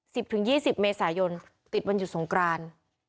ถึงยี่สิบเมษายนติดวันหยุดสงกราน